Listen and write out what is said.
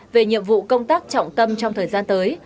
về nhiệm vụ công tác trọng tâm trong thời gian tới